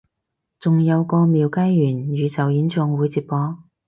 仲有個廟街元宇宙演唱會直播？